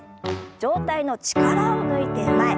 上体の力を抜いて前。